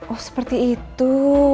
oh seperti itu